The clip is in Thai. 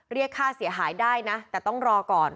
เรียกค่าเสียหายได้นะแต่ต้องรอก่อน